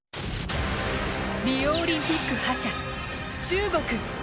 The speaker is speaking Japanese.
リオオリンピック覇者、中国。